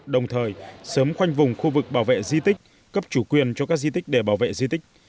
đồng thời sớm khoanh vùng khu vực bảo vệ di tích cấp chủ quyền cho các di tích để bảo vệ di tích